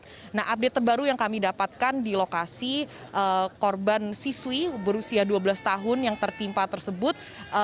jadi ini adalah proses evakuasi yang terjadi di lokasi korban siswi berusia dua belas tahun yang tertimpa tersebut